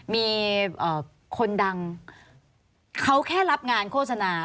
มีคนดังเขาแค่รับงานโฆษณา